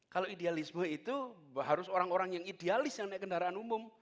kalau idealisme itu harus orang orang yang idealis yang naik kendaraan umum